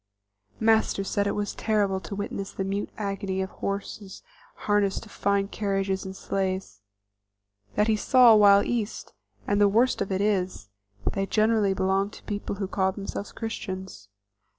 Master said it was terrible to witness the mute agony of horses harnessed to fine carriages and sleighs, that he saw while East; and the worst of it is, they generally belong to people who call themselves Christians.